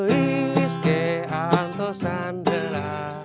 uis ke antosan jelah